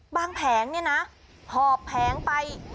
บางแผงนี่นะหอบแผงไป